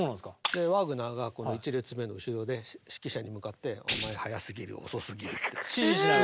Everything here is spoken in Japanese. ワーグナーがこの１列目の後ろで指揮者に向かって「お前早すぎる遅すぎる」って。指示しながら？